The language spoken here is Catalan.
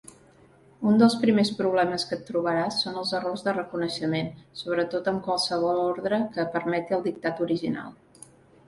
Un dels primers problemes que et trobaràs són els errors de reconeixement, sobretot amb qualsevol ordre que permeti el dictat original.